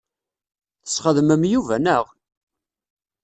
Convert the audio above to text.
Tesxedmem Yuba, naɣ?